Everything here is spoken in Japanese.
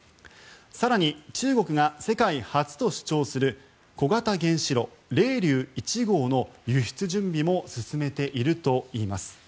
更に中国が世界初と主張する小型原子炉玲竜１号の輸出準備も進めているといいます。